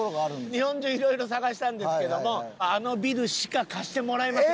日本中いろいろ探したんですけどもあのビルしか貸してもらえませんでした。